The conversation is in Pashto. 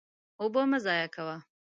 اوبه مه ضایع کوه.